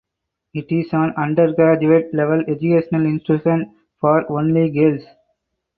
It is an undergraduate level educational institution for only girls.